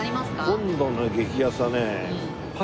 今度の激安はね。